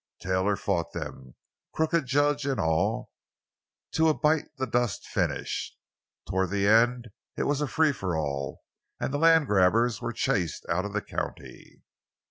Taylor fought them, crooked judge and all, to a bite the dust finish. Toward the end it was a free for all—and the land grabbers were chased out of the county.